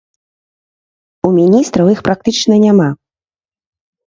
У міністраў іх практычна няма.